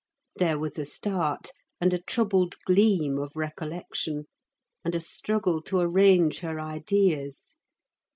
There was a start and a troubled gleam of recollection, and a struggle to arrange her ideas.